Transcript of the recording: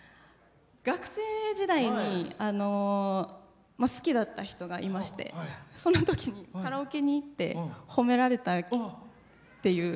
学生時代に好きだった人がいましてそのときにカラオケに行って褒められたっていう。